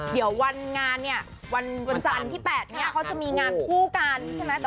เดี๋ยววันงานเนี่ยวันวันสันที่๘เขาจะมีงานผู้กันใช่ไหมค่ะค่ะคู่